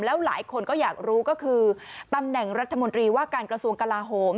แล้วหลายคนก็อยากรู้ก็คือตำแหน่งรัฐมนตรีว่าการกระทรวงกลาโหม